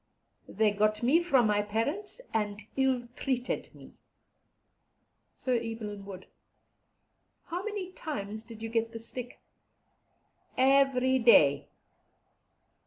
They got me from my parents, and ill treated me. "(Sir Evelyn Wood.) How many times did you get the stick? Every day.